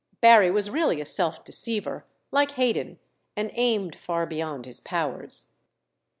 Barry was really a self deceiver, like Haydon, and aimed far beyond his powers.